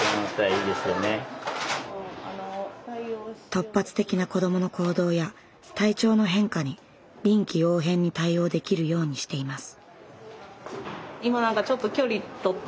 突発的な子どもの行動や体調の変化に臨機応変に対応できるようにしています。